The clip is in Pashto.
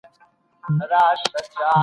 د علم او عمل ترمنځ اړيکه پياوړې کړئ.